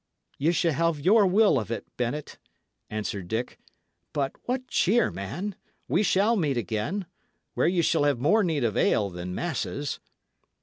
"Ye shall have your will of it, Bennet," answered Dick. "But, what cheer, man! we shall meet again, where ye shall have more need of ale than masses."